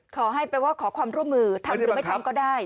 ขอให้ไปว่าขอความร่วมมือทำหรือไม่ทำก็ได้